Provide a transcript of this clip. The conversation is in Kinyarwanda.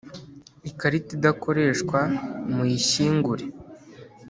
ikarita idakoreshwa muyishyingure